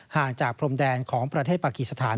ห่างจากพรมแดนของประเทศปากีสถาน